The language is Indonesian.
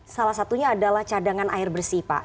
salah satunya adalah cadangan air bersih pak